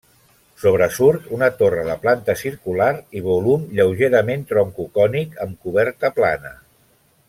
Sobresurt una torre de planta circular i volum lleugerament troncocònic amb coberta plana.